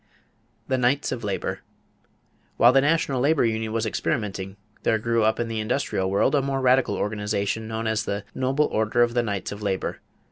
The Knights of Labor. While the National Labor Union was experimenting, there grew up in the industrial world a more radical organization known as the "Noble Order of the Knights of Labor."